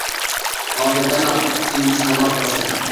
Hozirdanoq ikkingiz namoz boshlang